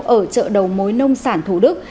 ở chợ đầu mối nông sản thủ đức